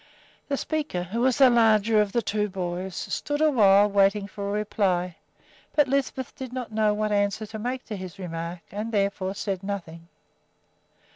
The speaker, who was the larger of the two boys, stood awhile waiting for a reply; but Lisbeth did not know what answer to make to his remark and therefore said nothing.